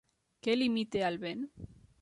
Què limita el vent?